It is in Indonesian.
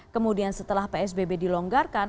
kemudian setelah psbb dilonggarkan